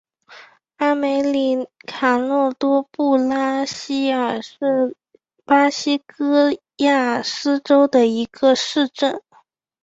阿梅里卡诺多布拉西尔是巴西戈亚斯州的一个市镇。